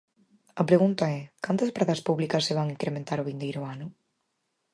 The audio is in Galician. A pregunta é ¿cantas prazas públicas se van incrementar o vindeiro ano?